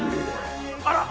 あら！